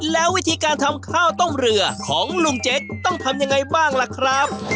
แล้ววิธีการทำข้าวต้มเรือของลุงเจ๊กต้องทำยังไงบ้างล่ะครับ